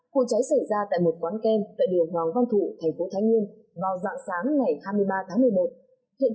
cụ cháy xảy ra tại một quán kem tại đường hòa văn thụ tp thái nguyên vào dạng sáng ngày hai mươi ba tháng một mươi một